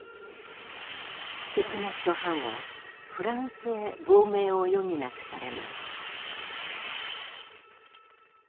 ティク・ナット・ハンはフランスへ亡命を余儀なくされます。